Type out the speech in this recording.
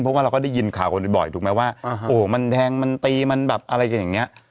เพราะว่าเราก็ได้ยินข่าวกันบ่อยถูกไหมว่าโอ้โหมันแทงมันตีมันแบบอะไรกันอย่างนี้